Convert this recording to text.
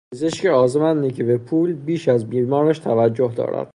پزشک آزمندی که به پول بیش از بیمارش توجه دارد